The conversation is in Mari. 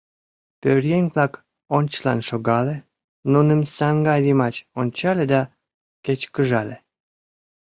Пӧръеҥ-влак ончылан шогале, нуным саҥга йымач ончале да кечкыжале: